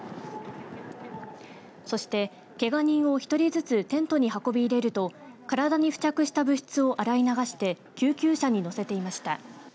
そして、けが人を１人ずつテントに運び入れると体に付着した物質を洗い流して救急車に乗せていました。